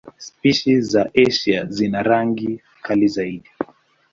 Spishi za Asia zina rangi kali zaidi.